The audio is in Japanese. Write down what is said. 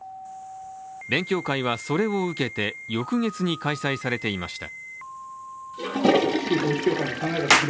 勉強会はそれを受けて翌月に開催されていました。